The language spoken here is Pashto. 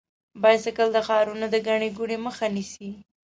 بایسکل د ښارونو د ګڼې ګوڼې مخه نیسي.